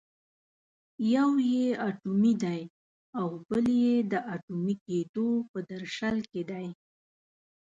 یو یې اټومي دی او بل یې د اټومي کېدو په درشل کې دی.